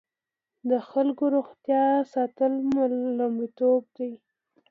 د خلکو روغتیا ساتل لومړیتوب دی.